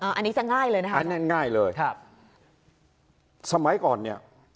อันนี้จะง่ายเลยนะคะอันนั้นง่ายเลยครับสมัยก่อนเนี่ย